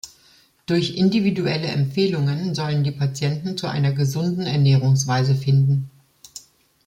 Durch individuelle Empfehlungen sollen die Patienten zu einer gesunden Ernährungsweise finden.